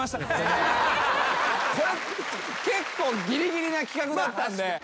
これ結構ぎりぎりな企画だったんで。